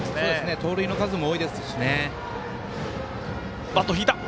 盗塁の数も多いですしね。